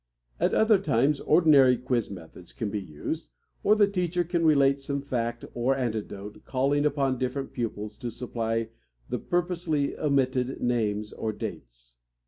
At other times, ordinary quiz methods can be used, or the teacher can relate some fact or anecdote, calling upon different pupils to supply the purposely omitted names or dates.